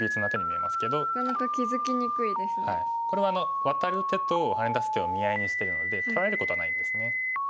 これはワタる手とハネ出す手を見合いにしているので取られることはないんですね。